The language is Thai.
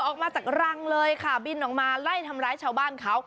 ออกมาจากรังเลยค่ะบินออกมาไล่ทำร้ายชาวบ้านเขา